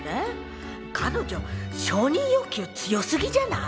彼女承認欲求強すぎじゃない？